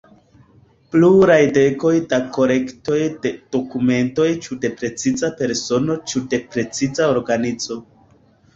Pluraj dekoj da kolektoj de dokumentoj ĉu de preciza persono ĉu de preciza organizo.